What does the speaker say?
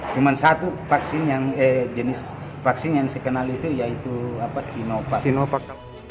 cuma satu jenis vaksin yang saya kenal itu yaitu sinovac